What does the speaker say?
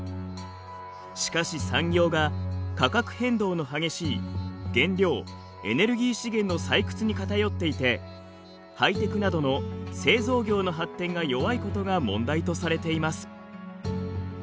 しかし産業が価格変動の激しい原料エネルギー資源の採掘に偏っていてハイテクなどの製造業の発展が弱いことが問題とされています。